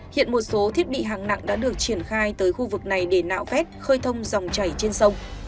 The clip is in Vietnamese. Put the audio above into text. hiện một số thiết bị hàng nặng đã được triển khai tới khu vực này để nạo vét khơi thông dòng chảy trên sông